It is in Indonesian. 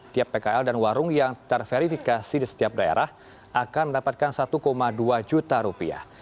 tiap pkl dan warung yang terverifikasi di setiap daerah akan mendapatkan satu dua juta rupiah